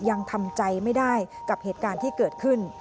ยังทำใจไม่ได้กับเหตุการณ์ที่เกิดขึ้น